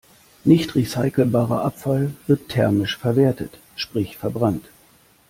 Nicht recycelbarer Abfall wird thermisch verwertet, sprich verbrannt.